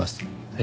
え？